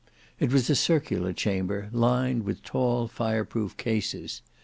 It was a circular chamber lined with tall fire proof cases.